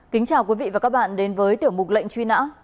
kính chào quý vị và các bạn đến với tiểu mục lệnh truy nã